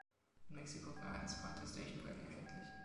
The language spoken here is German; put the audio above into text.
In Mexiko war er als "Pointer Station Wagon" erhältlich.